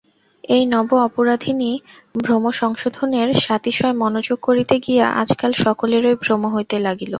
এই নব অপরাধিনীর ভ্রমসংশোধনে সাতিশয় মনোযোগ করিতে গিয়া আজকাল সকলেরই ভ্রম হইতে লাগিল।